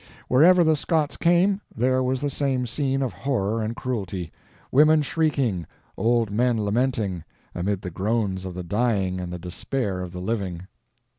Wherever the Scots came, there was the same scene of horror and cruelty: women shrieking, old men lamenting, amid the groans of the dying and the despair of the living.